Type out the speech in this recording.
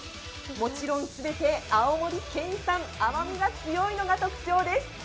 もちろん全て青森県産、甘みが強いのが特徴です。